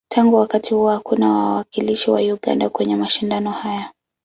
Tangu wakati huo, hakuna wawakilishi wa Uganda kwenye mashindano haya.